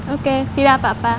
oke tidak apa apa